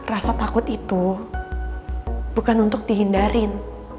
rasa takut itu bukan untuk dihindarin